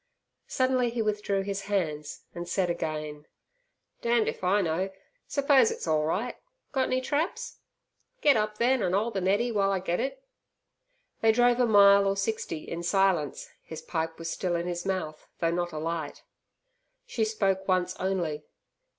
Suddenly he withdrew his hands and said again, "Damned if I know. S'pose it's all right! Got any traps? Get up then an' 'ole the Neddy while I get it." They drove a mile or 60 in silence; his pipe was still in his mouth though not alight. She spoke once only.